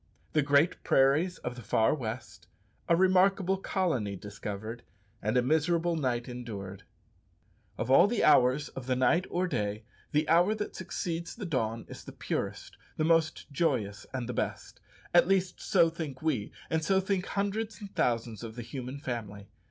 The great prairies of the far west A remarkable colony discovered, and a miserable night endured. Of all the hours of the night or day the hour that succeeds the dawn is the purest, the most joyous, and the best. At least so think we, and so think hundreds and thousands of the human family.